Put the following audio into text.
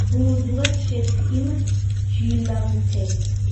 გუმორძგუა! ჩქიმ ჯიმალეფ